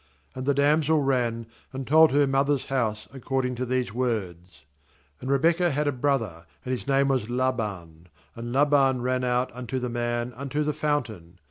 28And the damsel ran, and told her mother's house ac cording to these words. 29And Re bekah had a brother, and his name was Laban; and Laban ran out unto the man, unto the fountain.